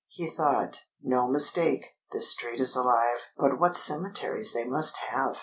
He thought: "No mistake this street is alive. But what cemeteries they must have!"